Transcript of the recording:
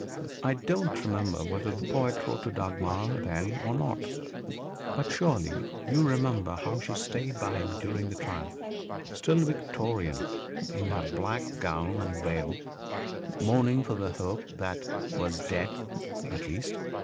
I don't remember whether the poet wrote to Dagmar then or not. But surely you remember how she stayed by him during the trial still Victorian in her black gown and veil, mourning for the hope that was dead, at least!